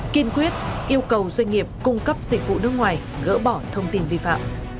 kiên quyết yêu cầu doanh nghiệp cung cấp dịch vụ nước ngoài gỡ bỏ thông tin vi phạm